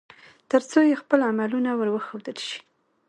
ترڅو يې خپل عملونه ور وښودل شي